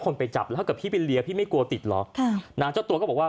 ไปจับแล้วถ้าเกิดพี่ไปเลี้ยพี่ไม่กลัวติดเหรอค่ะนะเจ้าตัวก็บอกว่า